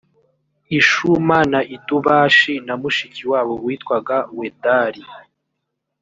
ishuma na idubashi na mushiki wabo yitwaga wedari